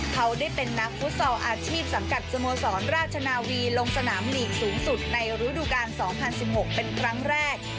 เขาได้เป็นนักฟุตซอลอาชีพสังกัดสโมสรราชนาวีลงสนามลีกสูงสุดในฤดูกาล๒๐๑๖เป็นครั้งแรก